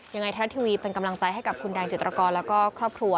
ไทยรัฐทีวีเป็นกำลังใจให้กับคุณแดงจิตรกรแล้วก็ครอบครัว